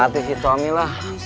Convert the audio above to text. tahu kakek suami lah